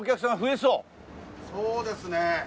そうですね。